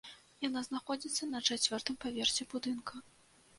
Яна знаходзіцца на чацвёртым паверсе будынка.